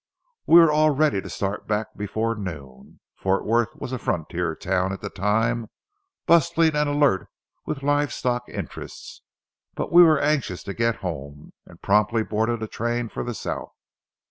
We were all ready to start back before noon. Fort Worth was a frontier town at the time, bustling and alert with live stock interests; but we were anxious to get home, and promptly boarded a train for the south.